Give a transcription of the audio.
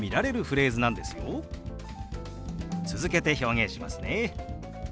続けて表現しますね。